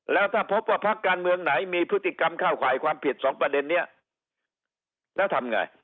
แล้วถ้าพบว่าพักการเมืองไหนมีพฤติกรรมเข้าข่ายความผิดสองประเด็นนี้แล้วทำไง